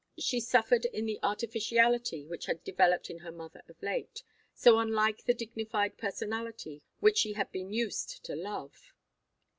She suffered in the artificiality which had developed in her mother of late, so unlike the dignified personality which she had been used to love.